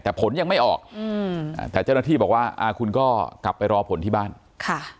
แต่ผลยังไม่ออกอืมอ่าแต่เจ้าหน้าที่บอกว่าอ่าคุณก็กลับไปรอผลที่บ้านค่ะ